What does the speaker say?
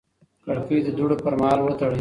کړکۍ د دوړو پر مهال وتړئ.